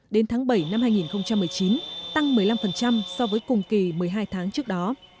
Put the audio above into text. đến tháng bảy năm hai nghìn một mươi chín tăng một mươi năm so với cùng kỳ một mươi hai tháng trước đó